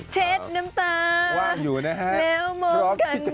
เช็ดน้ำตาลแล้วโรคกันนิมาสิทำเป็นไงฮะ